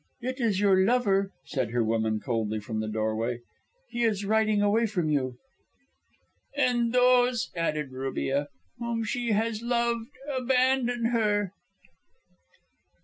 "It is your lover," said her woman coldly from the doorway. "He is riding away from you." " and those," added Rubia, "whom she has loved abandon her."